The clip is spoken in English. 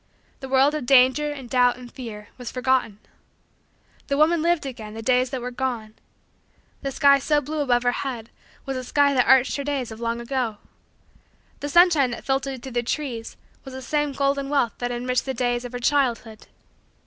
The world of danger, and doubt, and fear, was forgotten. The woman lived again the days that were gone. The sky so blue above her head was the sky that arched her days of long ago. The sunshine that filtered through the trees was the same golden wealth that enriched the days of her childhood.